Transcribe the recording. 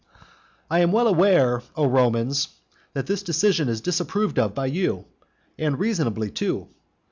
II. I am well aware, O Romans, that this decision is disapproved of by you; and reasonably too.